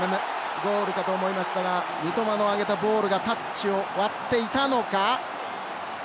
ゴールかと思いましたが三笘のボールはタッチを割っていたか。